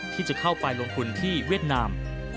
ที่จะเข้าไปลงทุนที่เวียดนาม